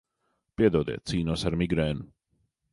Piedodiet, cīnos ar migrēnu.